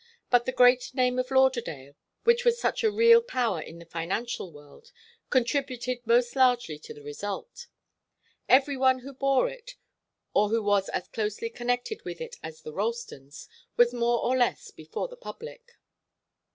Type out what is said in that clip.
But the great name of Lauderdale, which was such a real power in the financial world, contributed most largely to the result. Every one who bore it, or who was as closely connected with it as the Ralstons, was more or less before the public.